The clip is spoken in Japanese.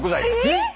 えっ！？